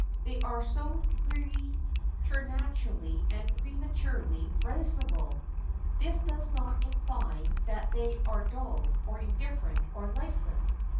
They are so preternaturally and prematurely reasonable! This does not imply that they are dull, or indifferent, or lifeless.